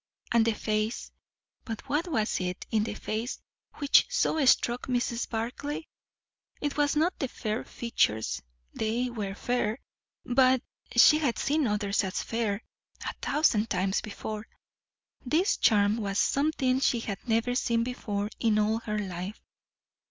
And the face, but what was it in the face which so struck Mrs. Barclay? It was not the fair features; they were fair, but she had seen others as fair, a thousand times before. This charm was something she had never seen before in all her life.